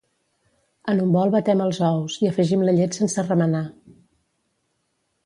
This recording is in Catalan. En un bol batem els ous, hi afegim la llet sense remenar.